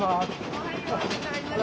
おはようございます。